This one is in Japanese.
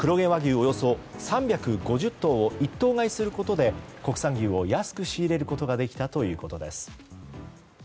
およそ３５０頭を一頭買いすることで国産牛を安く仕入れることができたということです。